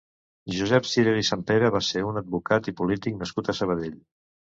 Josep Cirera i Sampere va ser un advocat i polític nascut a Sabadell.